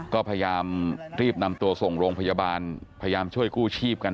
ก็พยายามรีบนำตัวส่งโรงพยาบาลพยายามช่วยกู้ชีพกัน